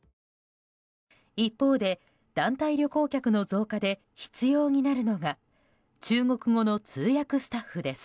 一方で、団体旅行客の増加で必要になるのが中国語の通訳スタッフです。